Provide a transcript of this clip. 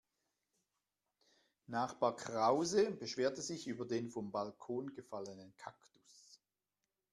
Nachbar Krause beschwerte sich über den vom Balkon gefallenen Kaktus.